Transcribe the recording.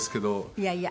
いやいや。